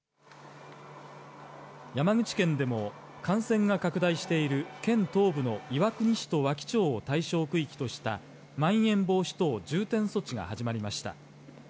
山口県でも感染が拡大している県東部の岩国市と和木町を対象区域としたまん延防止等重点措置が始まりました。